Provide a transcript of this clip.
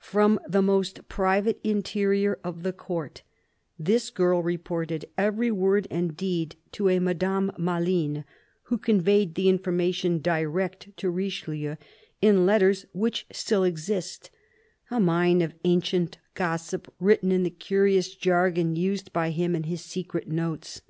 From the most private interior of the Court, this girl reported every word and deed to a Madame Maline, who conveyed the information direct to Richelieu in letters which still exist, a mine of ancient gossip written in the curious jargon used by him in his secret notes.